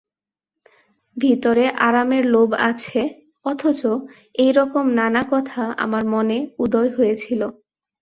ভিতরে আরামের লোভ আছে, অথচ– এইরকম নানা কথা আমার মনে উদয় হয়েছিল।